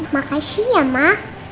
makasih ya mak